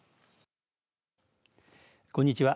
こんにちは。